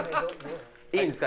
いいんですか？